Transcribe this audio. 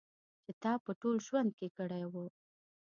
چې تا په ټول ژوند کې کړی و.